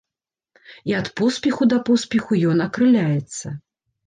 І ад поспеху да поспеху ён акрыляецца.